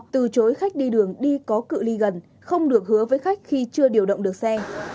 từ chối khách đi đường đi có cự li gần không được hứa với khách khi chưa điều động được xe